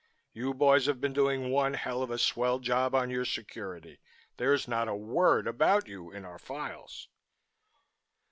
You boys have been doing one hell of a swell job on your security. There's not a word about you in our files."